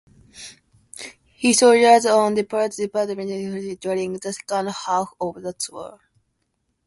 He soldiered on despite developing pleurisy during the second half of the tour.